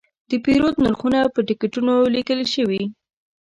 د پیرود نرخونه په ټکټونو لیکل شوي.